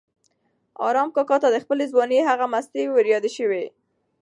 ارمان کاکا ته د خپلې ځوانۍ هغه مستۍ وریادې شوې.